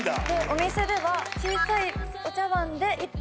お店では小さいお茶碗で高っ！